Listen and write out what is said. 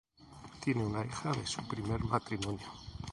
Tiene una hija de su primer matrimonio.